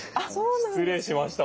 失礼しました。